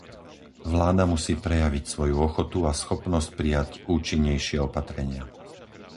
Vláda musí prejaviť svoju ochotu a schopnosť prijať účinnejšie opatrenia.